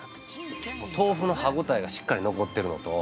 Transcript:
豆腐の歯ごたえがしっかり残っているのと。